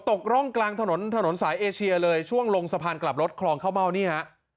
ตกร่องกลางถนนถนนสายเอเชียเลยช่วงลงสะพานกลับรถคลองข้าวเม่านี่ฮะ